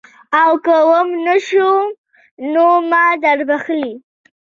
او که وم نه شو نو ما دربخلي.